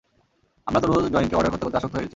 আমরা তো রোজ ডয়েঙ্কে অর্ডার করতে করতে আসক্ত হয়ে গেছি।